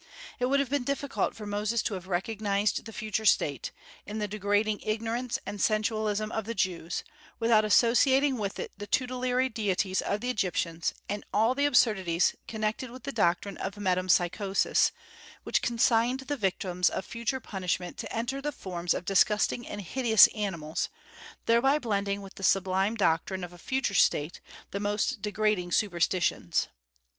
It would have been difficult for Moses to have recognized the future state, in the degrading ignorance and sensualism of the Jews, without associating with it the tutelary deities of the Egyptians and all the absurdities connected with the doctrine of metempsychosis, which consigned the victims of future punishment to enter the forms of disgusting and hideous animals, thereby blending with the sublime doctrine of a future state the most degrading superstitions.